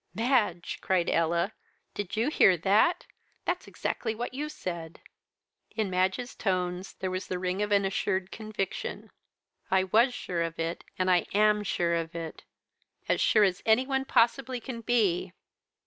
"Madge," cried Ella, "did you hear that? That's exactly what you said." In Madge's tones there was the ring of an assured conviction. "I was sure of it and I am sure of it; as sure as any one possibly can be."